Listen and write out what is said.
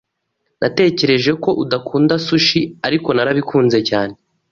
Natekereje ko udakunda sushi, ariko narabikunze cyane.